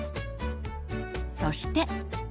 そして。